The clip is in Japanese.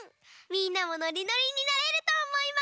みんなもノリノリになれるとおもいます。